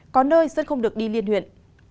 có nơi dân không được đi liên huyện